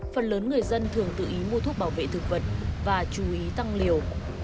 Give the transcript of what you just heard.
phần lớn người dân thường tự ý mua thuốc bảo vệ thực vật và chú ý tăng liều